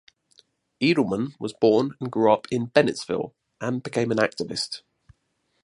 Edelman was born and grew up in Bennettsville, and became an activist.